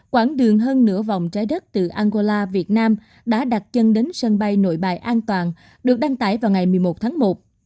quảng đường hơn nửa vòng trái đất từ angola việt nam đã đặt chân đến sân bay nội bài an toàn được đăng tải vào ngày một mươi một tháng một